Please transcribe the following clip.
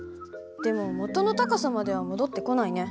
でも元の高さまでは戻ってこないね。